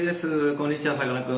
こんにちはさかなクン。